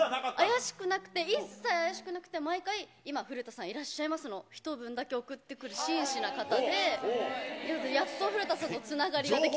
怪しくなくて、一切怪しくなくて、毎回、今、古田さんいらっしゃいますの一文だけ送ってくる真摯な方で、やっと古田さんとつながりができた。